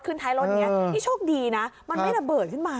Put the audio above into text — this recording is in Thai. ท้ายรถนี้นี่โชคดีนะมันไม่ระเบิดขึ้นมา